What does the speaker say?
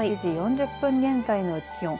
１時４０分現在の気温。